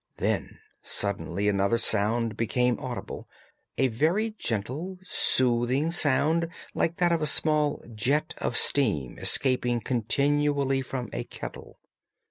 Then suddenly another sound became audible—a very gentle, soothing sound, like that of a small jet of steam escaping continually from a kettle.